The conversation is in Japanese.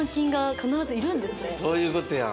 そういうことやん。